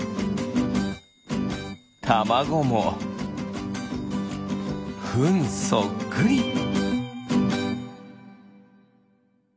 たまごもフンそっくり。